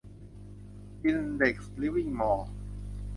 อินเด็กซ์ ลิฟวิ่งมอลล์